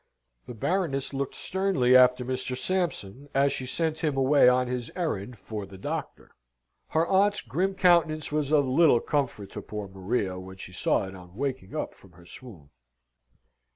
The Baroness looked sternly after Mr. Sampson, as she sent him away on his errand for the doctor. Her aunt's grim countenance was of little comfort to poor Maria when she saw it on waking up from her swoon.